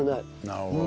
なるほど。